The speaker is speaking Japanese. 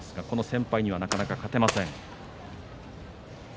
先輩にはなかなか勝てません。